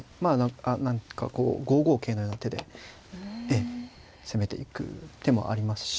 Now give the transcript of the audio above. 何かこう５五桂のような手で攻めていく手もありますし。